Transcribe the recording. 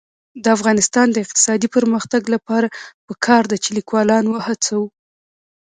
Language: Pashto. د افغانستان د اقتصادي پرمختګ لپاره پکار ده چې لیکوالان وهڅوو.